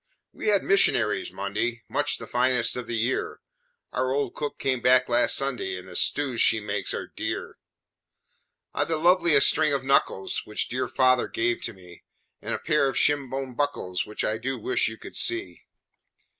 "We had missionaries Monday, Much the finest of the year Our old cook came back last Sunday, And the stews she makes are dear. "I've the loveliest string of knuckles Which dear Father gave to me, And a pair of shin bone buckles Which I so wish you could see.